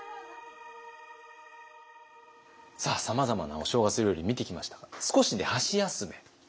さあさまざまなお正月料理見てきましたが少しね箸休め。